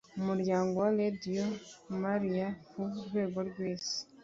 umuryango wa radio maria ku rwego rw isi